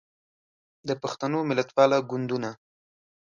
د پښتنو ملتپاله ګوندونه